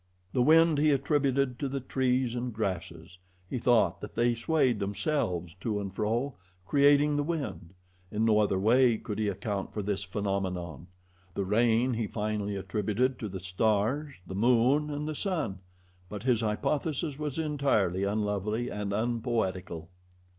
The wind he attributed to the trees and grasses. He thought that they swayed themselves to and fro, creating the wind. In no other way could he account for this phenomenon. The rain he finally attributed to the stars, the moon, and the sun; but his hypothesis was entirely unlovely and unpoetical.